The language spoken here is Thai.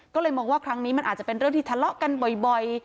ก็เลยมองว่าครั้งนี้มันอาจจะเป็นเรื่องที่ทะเลาะกันบ่อย